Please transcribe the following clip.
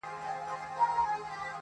o دا خو ډيره گرانه ده.